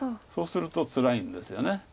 そうするとつらいんですよね。